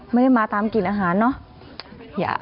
ไม่ได้มาตามกลิ่นอาหารเนอะ